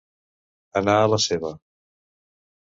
Anar a la seva.